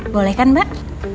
boleh kan mbak